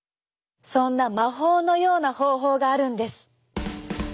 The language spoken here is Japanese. そんな魔法のような方法があるんです。